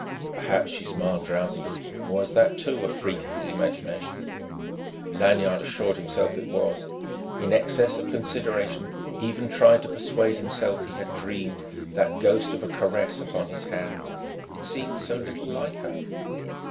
Perhaps she smiled drowsily. Or was that, too, a freak of his imagination? Lanyard assured himself it was, in excess of consideration even tried to persuade himself he had dreamed that ghost of a caress upon his hand. It seemed so little like her.